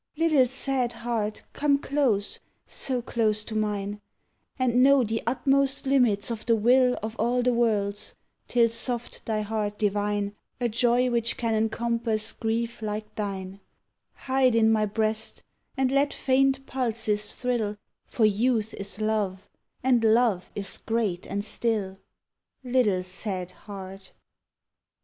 Little sad heart, come close, so close to mine, And know the utmost limits of the will Of all the worlds, till soft thy heart divine A joy which can encompass grief like thine; Hide in my breast, and let faint pulses thrill, For youth is love, and love is great and still, Little sad heart.